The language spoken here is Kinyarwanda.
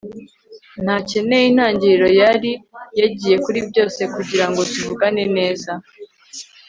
ntakeneye intangiriro yari yagiye kuri byose kugirango tuvugane neza